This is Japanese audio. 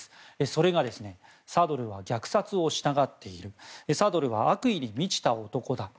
それが、サドルは虐殺をしたがっているサドルは悪意に満ちた男だ